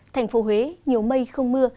thành phố huế nhiều mây không mưa